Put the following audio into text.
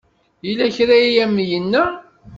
Yella kra ay am-yenna?